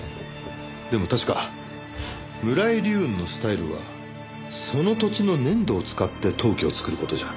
でも確か村井流雲のスタイルはその土地の粘土を使って陶器を作る事じゃ。